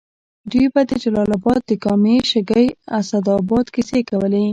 دوی به د جلال اباد د کامې، شګۍ، اسداباد کیسې کولې.